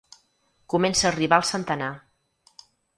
Comença a arribar al centenar.